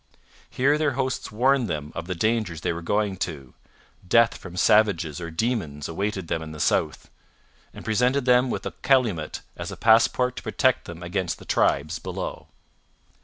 Here their hosts warned them of the dangers they were going to death from savages or demons awaited them in the south and presented them with a calumet as a passport to protect them against the tribes below.